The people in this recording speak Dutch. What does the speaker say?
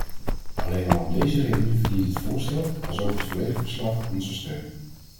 Alleen al om deze reden verdient dit voorstel, alsook het volledige verslag, onze steun.